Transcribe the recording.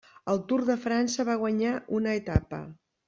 Al Tour de França va guanyar una etapa.